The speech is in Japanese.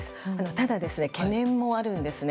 ただ懸念もあるんですね。